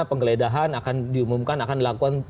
penggeledahan akan diumumkan akan dilakukan